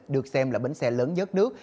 được xem là bến xe lớn nhất nước